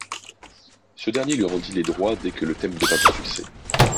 Ce dernier lui rendit les droits dès que le thème devint un succès.